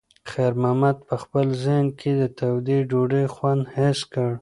خیر محمد په خپل ذهن کې د تودې ډوډۍ خوند حس کړ.